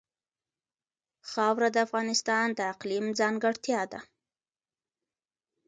خاوره د افغانستان د اقلیم ځانګړتیا ده.